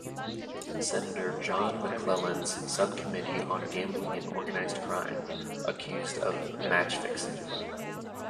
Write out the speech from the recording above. Senator John McClellan's subcommittee on Gambling and Organized Crime, accused of match fixing.